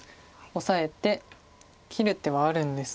オサえて切る手はあるんですが。